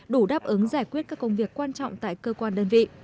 đủ đáp ứng giải quyết các công việc quan trọng tại cơ quan đơn vị